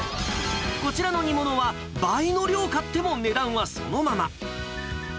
こちらの煮物は倍の量買っても、値段はそのまま。